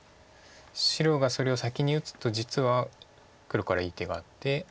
白がそれを先に打つと実は黒からいい手があって。